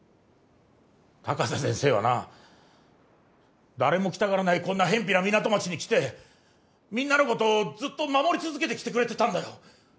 高瀬先生はな誰も来たがらないこんな辺ぴな港町に来てみんなのことをずっと守り続けてきてくれてたんだよ。